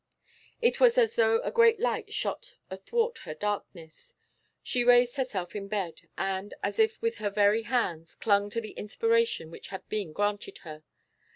It was as though a great light shot athwart her darkness. She raised herself in bed, and, as if with her very hands, clung to the inspiration which had been granted her.